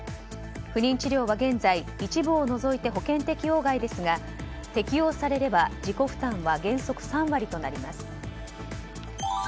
不妊治療は現在、一部を除いて保険適用外ですが適用されれば、自己負担は原則３割となります。